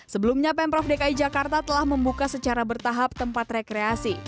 sebelumnya pemprov dki jakarta telah membuka secara bertahap tempat rekreasi